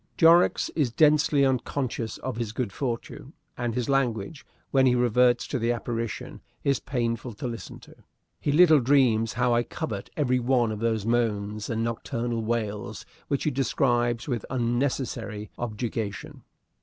Jorrocks is densely unconscious of his good fortune; and his language, when he reverts to the apparition, is painful to listen to. He little dreams how I covet every one of those moans and nocturnal wails which he describes with unnecessary objurgation.